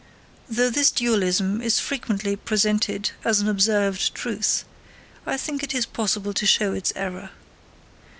Though this dualism is frequently presented as an observed truth, I think it is possible to show its error.